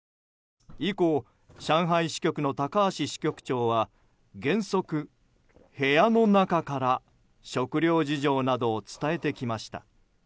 以降、上海支局の高橋支局長は原則、部屋の中から食料事情などを伝えてきました。